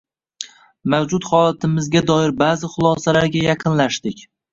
Mavjud holatimizga doir ba’zi xulosalarga yaqinlashdik.